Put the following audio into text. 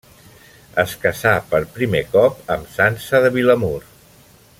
Es casà per primer cop amb Sança de Vilamur.